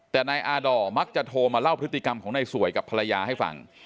แต่นายอาด่อมักจะโทรมาเล่าพฤติกรรมของนายสวยกับภรรยาให้ฟัง